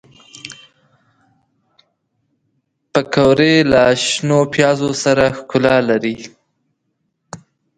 پکورې له شنو پیازو پوره ښکلا لري